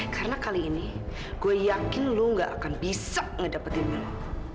karena kali ini gue yakin lu gak akan bisa ngedapetin milo